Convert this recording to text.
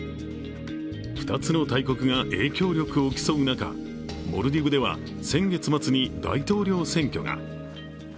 ２つの大国が影響力を競う中、モルディブでは先月末に大統領選挙が。